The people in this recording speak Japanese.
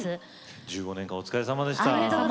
１５年間お疲れさまでした。